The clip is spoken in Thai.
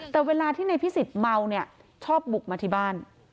แต่เวลาที่นายพิสิทธิ์เมาเนี่ยชอบบุกมาที่บ้าน